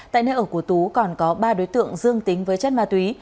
tại nơi ở của tú còn có ba đối tượng dương tính với chất ma túy